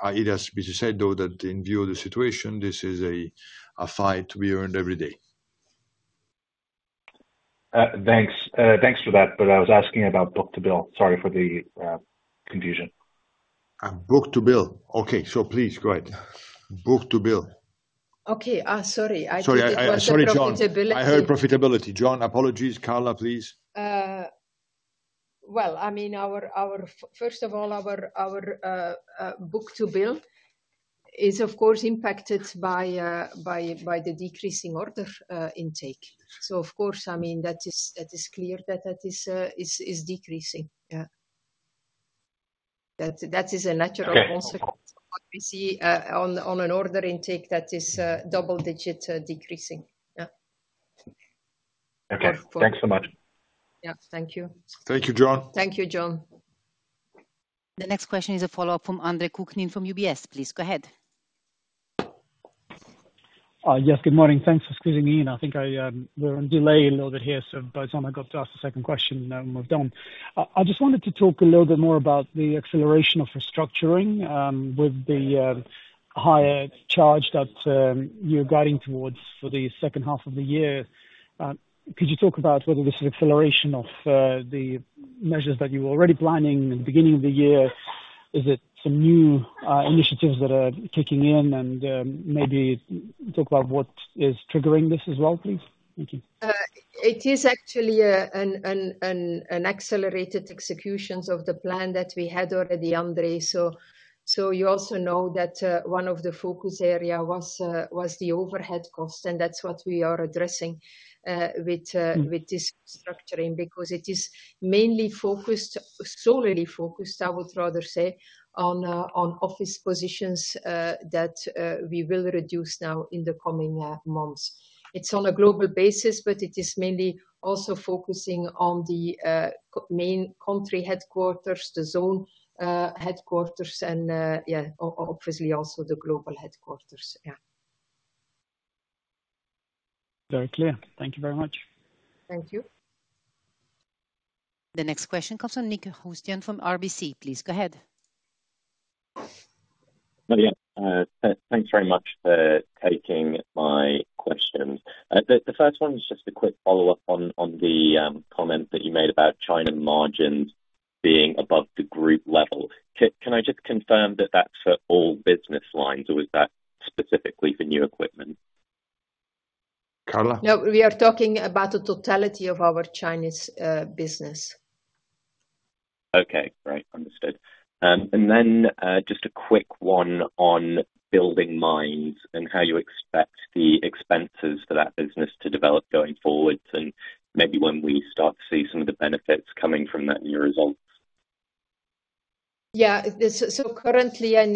It has to be said, though, that in view of the situation, this is a fight to be earned every day. Thanks for that. But I was asking about book-to-bill. Sorry for the confusion. Book-to-bill. Okay. So please go ahead. Book-to-bill. Okay. Sorry. Sorry. I heard profitability. I heard profitability. John, apologies. Carla, please. Well, I mean, first of all, our book-to-bill is, of course, impacted by the decreasing order intake. So of course, I mean, that is clear that that is decreasing. Yeah. That is a natural consequence of what we see on an order intake that is double-digit decreasing. Yeah. Okay. Thanks so much. Yeah. Thank you. Thank you, John. Thank you, John. The next question is a follow-up from Andre Kukhnin from UBS. Please go ahead. Yes, good morning. Thanks for squeezing in. I think we're on delay a little bit here. By the time I got to ask the second question, we're done. I just wanted to talk a little bit more about the acceleration of restructuring with the higher charge that you're guiding towards for the second half of the year. Could you talk about whether this is an acceleration of the measures that you were already planning at the beginning of the year? Is it some new initiatives that are kicking in? And maybe talk about what is triggering this as well, please. Thank you. It is actually an accelerated execution of the plan that we had already, Andre. So you also know that one of the focus areas was the overhead cost. And that's what we are addressing with this restructuring because it is mainly focused, solely focused, I would rather say, on office positions that we will reduce now in the coming months. It's on a global basis, but it is mainly also focusing on the main country headquarters, the zone headquarters, and yeah, obviously also the global headquarters. Yeah. Very clear. Thank you very much. Thank you. The next question comes from Nick Housden from RBC. Please go ahead. Thanks very much for taking my questions. The first one is just a quick follow-up on the comment that you made about China margins being above the group level. Can I just confirm that that's for all business lines, or is that specifically for new equipment? Carla? No, we are talking about the totality of our Chinese business. Okay. Great. Understood. And then just a quick one on BuildingMinds and how you expect the expenses for that business to develop going forward and maybe when we start to see some of the benefits coming from that new result? Yeah. So currently, and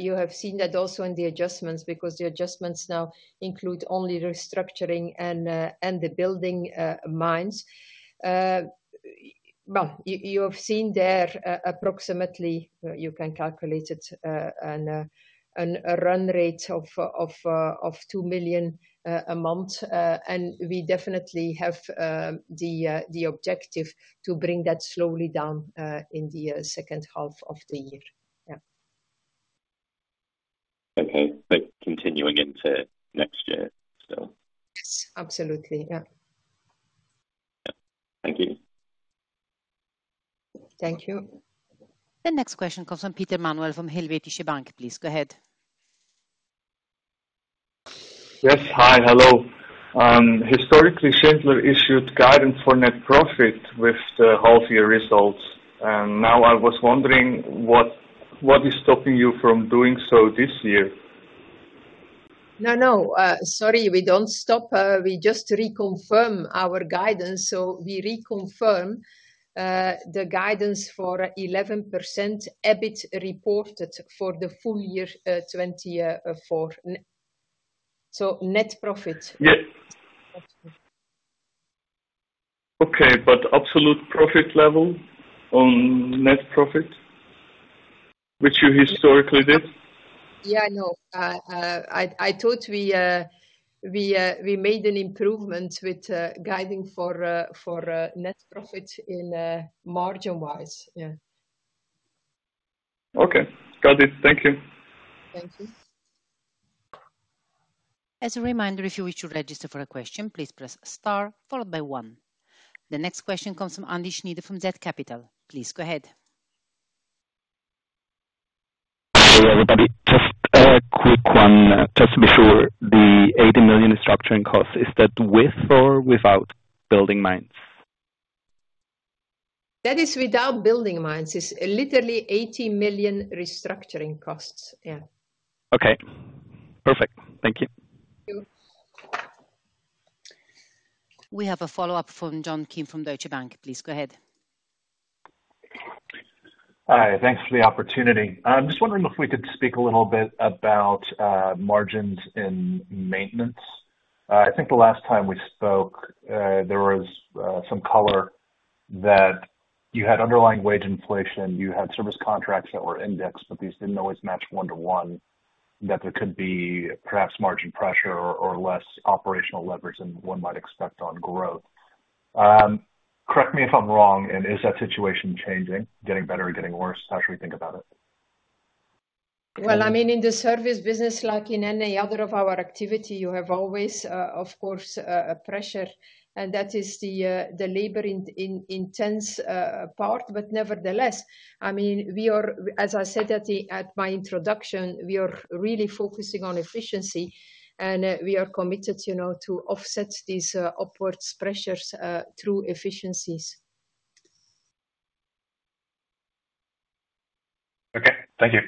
you have seen that also in the adjustments because the adjustments now include only restructuring and the BuildingMinds. Well, you have seen there approximately, you can calculate it, a run rate of 2 million a month. And we definitely have the objective to bring that slowly down in the second half of the year. Yeah. Okay. Continuing into next year still. Yes. Absolutely. Yeah. Yeah. Thank you. Thank you. The next question comes from Manuel Peter from Helvetische Bank. Please go ahead. Yes. Hi, hello. Historically, Schindler issued guidance for net profit with the half-year results. And now I was wondering what is stopping you from doing so this year? No, no. Sorry, we don't stop. We just reconfirm our guidance. So we reconfirm the guidance for 11% EBIT reported for the full year 2024. So net profit. Yes. Okay. But absolute profit level on net profit, which you historically did? Yeah. No, I thought we made an improvement with guiding for net profit in margin-wise. Yeah. Okay. Got it. Thank you. Thank you. As a reminder, if you wish to register for a question, please press star followed by one. The next question comes from Andy Schneider from Z Capital. Please go ahead. Hey, everybody. Just a quick one. Just before the 80 million restructuring costs, is that with or without BuildingMinds? That is without BuildingMinds. It's literally 80 million restructuring costs. Yeah. Okay. Perfect. Thank you. Thank you. We have a follow-up from John Kim from Deutsche Bank. Please go ahead. Hi. Thanks for the opportunity. I'm just wondering if we could speak a little bit about margins in maintenance. I think the last time we spoke, there was some color that you had underlying wage inflation, you had service contracts that were indexed, but these didn't always match one-to-one, that there could be perhaps margin pressure or less operational leverage than one might expect on growth. Correct me if I'm wrong. Is that situation changing, getting better or getting worse? How should we think about it? Well, I mean, in the service business, like in any other of our activity, you have always, of course, pressure. And that is the labor-intensive part. But nevertheless, I mean, as I said at my introduction, we are really focusing on efficiency. And we are committed to offset these upward pressures through efficiencies. Okay. Thank you.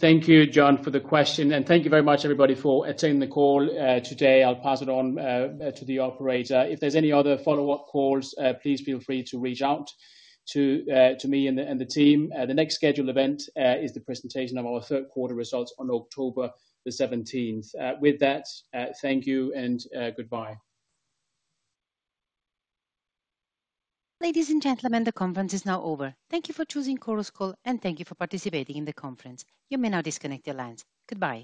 Thank you, John, for the question. Thank you very much, everybody, for attending the call today. I'll pass it on to the operator. If there's any other follow-up calls, please feel free to reach out to me and the team. The next scheduled event is the presentation of our third-quarter results on October the 17th. With that, thank you and goodbye. Ladies and gentlemen, the conference is now over. Thank you for choosing Chorus Call and thank you for participating in the conference. You may now disconnect your lines. Goodbye.